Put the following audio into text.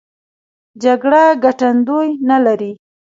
جګړه ګټندوی نه لري.